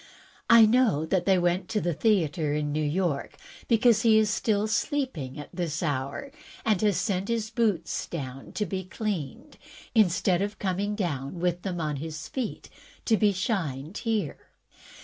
I know that they went to the theatre in New York, because he is still sleeping at this hour, and has sent his boots down to be cleaned, instead of coming down with them on his feet to be shined here.